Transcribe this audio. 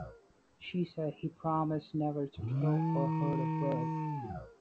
She said he must promise never to kill or hurt a bird.